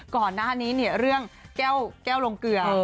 ก่อนหน้านี้เนี่ยเรื่องแก้วลงเกลือ